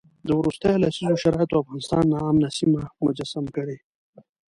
د وروستیو لسیزو شرایطو افغانستان ناامنه سیمه مجسم کړی.